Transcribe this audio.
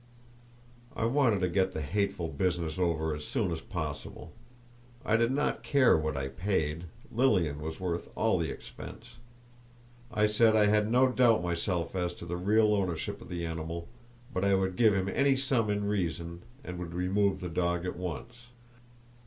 I wanted to get the hateful business over as soon as possible. I did not care what I paid—Lilian was worth all the expense! I said I had no doubt myself as to the real ownership of the animal, but I would give him any sum in reason, and would remove the dog at once.